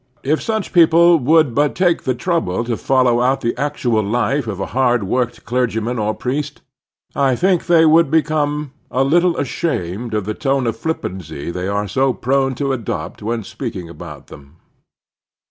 If such people would but take the trouble to follow out the actual life of a hard worked clergyman or priest, I think they would become a little ashamed of the tone of flippancy they are so prone to adopt when speaking about them.